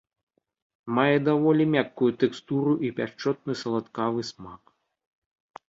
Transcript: Мае даволі мяккую тэкстуру і пяшчотны саладкавы смак.